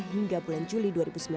hingga bulan juli dua ribu sembilan belas